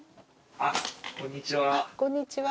あっこんにちは。